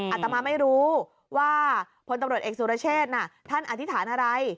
อาตมาไม่รู้ว่าพลตำรวจเอกสุรเชษน่ะท่านอธิษฐานอะไร